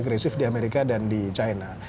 agresif di amerika dan di china